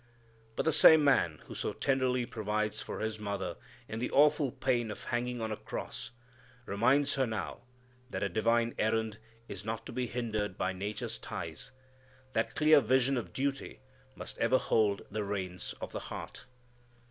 But the same man who so tenderly provides for His mother in the awful pain of hanging on a cross reminds her now that a divine errand is not to be hindered by nature's ties; that clear vision of duty must ever hold the reins of the heart.